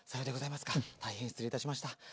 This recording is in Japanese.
大変失礼いたしました。